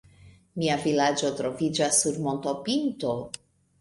Mia vilaĝo troviĝas sur montopinto.